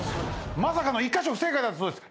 まさかの１カ所不正解だったそうです。